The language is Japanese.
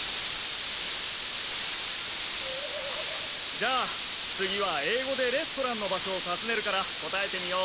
じゃあ次は英語でレストランの場所を尋ねるから答えてみよう。